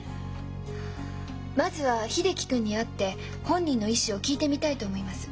まずは秀樹君に会って本人の意思を聞いてみたいと思います。